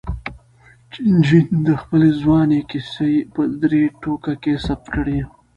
جین د خپلې ځوانۍ کیسې په درې ټوکه کې ثبت کړې.